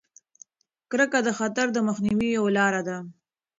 کرکه د خطر د مخنیوي یوه لاره ده.